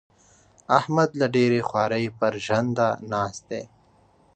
احمد له ډېرې خوارۍ؛ پر ژنده ناست دی.